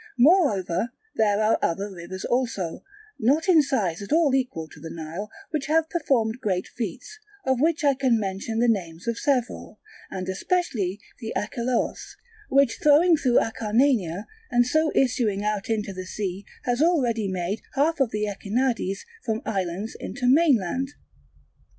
Moreover there are other rivers also, not in size at all equal to the Nile, which have performed great feats; of which I can mention the names of several, and especially the Acheloos, which flowing through Acarnania and so issuing out into the sea has already made half of the Echinades from islands into mainland.